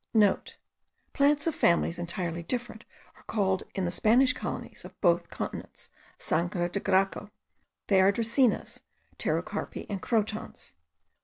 *(* Plants of families entirely different are called in the Spanish colonies of both continents, sangre de draco; they are dracaenas, pterocarpi, and crotons.